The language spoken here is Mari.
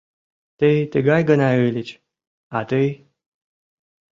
Тый тыгай гына ыльыч, а тый...